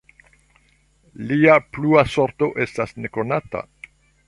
Lia plua sorto estas nekonata.